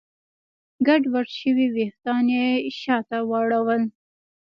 ګډوډ شوي وېښتان يې شاته واړول.